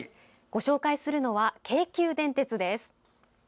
ご紹介するのは京急電鉄です。